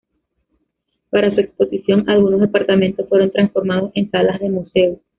Para su exposición, algunos departamentos fueron transformados en salas de museo.